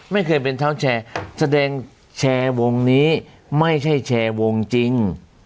ไม่เคยเป็นเท้าแชร์แสดงแชร์วงนี้ไม่ใช่แชร์วงจริง